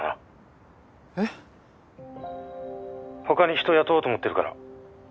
「他に人雇おうと思ってるから。